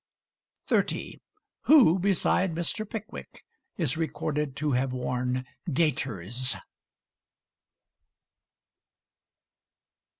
30. Who beside Mr. Pickwick is recorded to have worn gaiters?